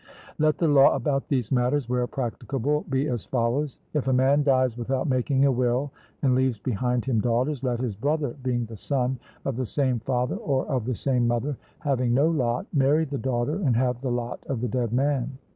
Let the law about these matters where practicable be as follows: If a man dies without making a will, and leaves behind him daughters, let his brother, being the son of the same father or of the same mother, having no lot, marry the daughter and have the lot of the dead man.